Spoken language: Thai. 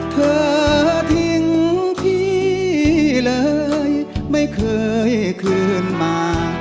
เธอทิ้งที่เลยไม่เคยคืนมา